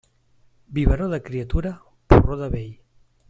Biberó de criatura, porró de vell.